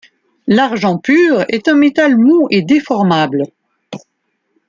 L'argent pur est un métal mou et déformable.